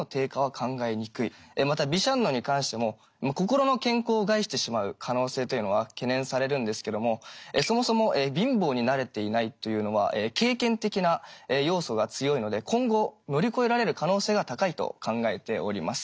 またビシャンノに関しても心の健康を害してしまう可能性というのは懸念されるんですけどもそもそも貧乏に慣れていないというのは経験的な要素が強いので今後乗り越えられる可能性が高いと考えております。